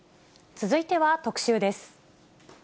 続いては特集です。